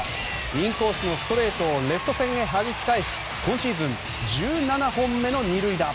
インコースのストレートをレフト線へはじき返し今シーズン１７本目の２塁打。